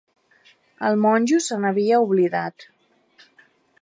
El monjo se n'havia oblidat.